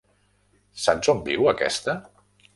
Saps on viu aquesta??